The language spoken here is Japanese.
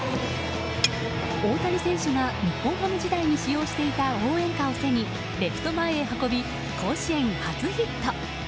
大谷選手が日本ハム時代に使用していた応援歌を背にレフト前へ運び、甲子園初ヒット。